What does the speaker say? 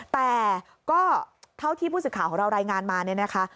แต่ก็เท่าที่ผู้สื่อข่าวของเรารายงานมาเนี่ยนะคะ